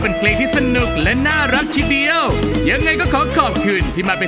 เพื่อหาผู้เหลือรอดกลุ่มละ๑คนเท่านั้น